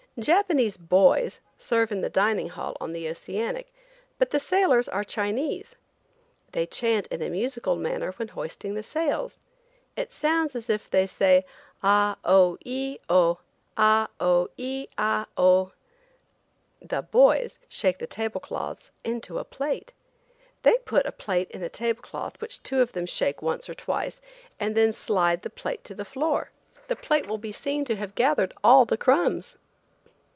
Japanese "boys" serve in the dining hall on the Oceanic, but the sailors are Chinese. They chant in a musical manner when hoisting sails. It sounds as if they say "Ah Oh Eh Oh! Ah Oh Eh Ah Oh!" The "boys" shake the tablecloths into a plate. They put a plate in the tablecloth which two of them shake once or twice and then slide the plate to the floor. The plate will be seen to have gathered all the crumbs.